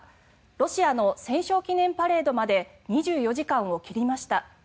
ロシアの戦勝記念パレードまで２４時間を切りました。